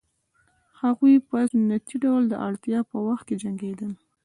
هغوی په سنتي ډول د اړتیا په وخت کې جنګېدل